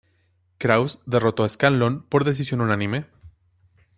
Krauss derrotó a Scanlon por decisión unánime.